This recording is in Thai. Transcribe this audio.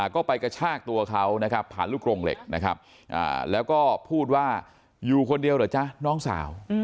ก็ไปกระชากตัวเขาผ่านลูกกลงเหล็กแล้วก็พูดว่าอยู่คนเดียวเหรอจ๊ะนางสาว